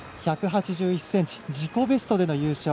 １８１ｃｍ自己ベストでの優勝。